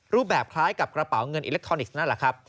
รูปแบบคล้ายกับกระเป๋าเงินอิเล็กทรอนิกส์นั่นแหละครับ